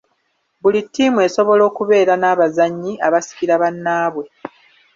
Buli ttiimu esobola okubeera n'abazannyi abasikira bannaabwe.